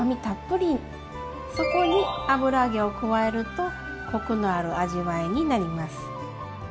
そこに油揚げを加えるとコクのある味わいになります。